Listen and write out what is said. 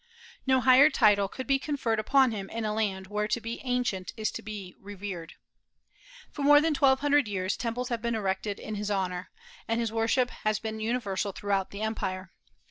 No higher title could be conferred upon him in a land where to be "ancient" is to be revered. For more than twelve hundred years temples have been erected to his honor, and his worship has been universal throughout the empire.